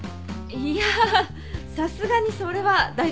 いやさすがにそれは大丈夫。